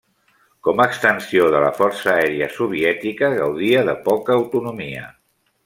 Com extensió de la força aèria soviètica gaudia de poca autonomia.